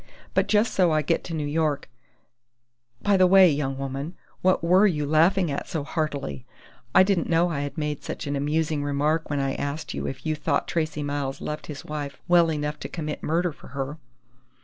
"But just so I get to New York By the way, young woman, what were you laughing at so heartily? I didn't know I had made an amusing remark when I asked you if you thought Tracey Miles loved his wife well enough to commit murder for her."